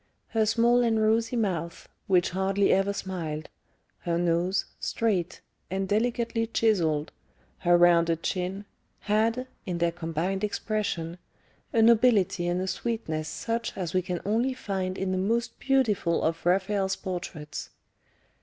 Her small and rosy mouth, which hardly ever smiled, her nose, straight, and delicately chiselled, her rounded chin, had, in their combined expression, a nobility and a sweetness such as we can only find in the most beautiful of Raphael's portraits.